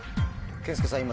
健介さん